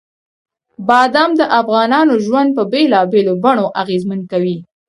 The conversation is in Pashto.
بادام د افغانانو ژوند په بېلابېلو بڼو اغېزمن کوي.